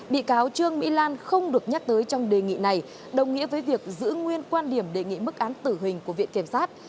bị cáo trương mỹ lan không được nhắc tới trong đề nghị này đồng nghĩa với việc giữ nguyên quan điểm đề nghị mức án tử hình của viện kiểm sát